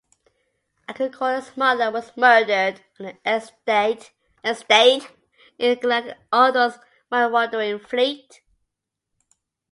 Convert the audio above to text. Agricola's mother was murdered on her estate in Liguria by Otho's marauding fleet.